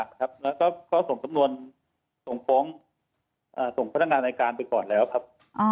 ก็ส่งสำนวนส่งฟ้องส่งพัฒนาการอายการไปก่อนแล้วครับ